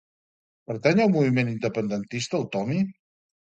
Pertany al moviment independentista el Tomy?